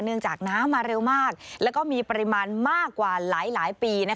จากน้ำมาเร็วมากแล้วก็มีปริมาณมากกว่าหลายปี